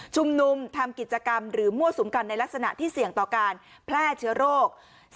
ทำกิจกรรมหรือมั่วสุมกันในลักษณะที่เสี่ยงต่อการแพร่เชื้อโรค